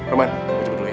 roman gue jemput dulu ya